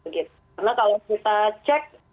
karena kalau kita cek